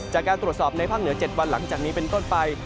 จากการตรวจสอบในภาคเหนือ๗วันหลังจากนี้เป็นต้นไป